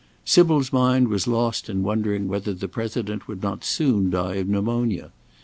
Sybil's mind was lost in wondering whether the President would not soon die of pneumonia.